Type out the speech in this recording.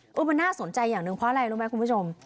มันน่าสนใจอย่างหนึ่งเพราะอะไรรู้ไหมคุณผู้ชม